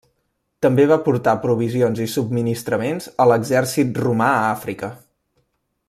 També va portar provisions i subministraments a l'exèrcit romà a Àfrica.